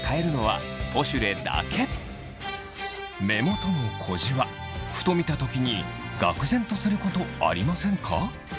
目元の小じわふと見た時にがくぜんとすることありませんか？